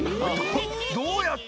どうやって？